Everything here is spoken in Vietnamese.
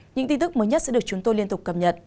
những tin tức mới nhất sẽ được chúng tôi liên tục cập nhật